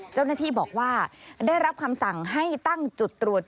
เจ้าหน้าที่บอกว่าได้รับคำสั่งให้ตั้งจุดตรวจ